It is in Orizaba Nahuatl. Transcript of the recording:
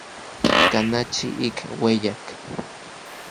Kanachi ik ueyak.